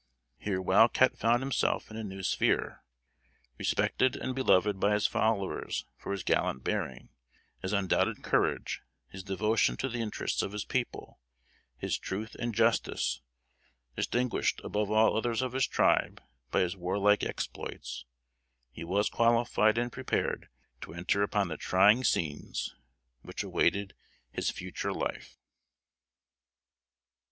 Here Wild Cat found himself in a new sphere. Respected and beloved by his followers for his gallant bearing; his undoubted courage; his devotion to the interests of his people; his truth and justice distinguished above all others of his tribe by his warlike exploits, he was qualified and prepared to enter upon the trying scenes which awaited his future life.